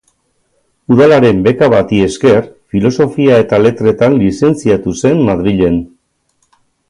Udalaren beka bati esker Filosofia eta Letretan lizentziatu zen Madrilen.